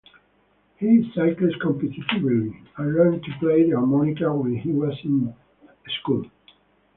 He cycles competitively and learned to play the harmonica when he was in school.